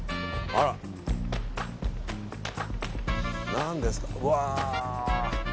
何ですか、うわー。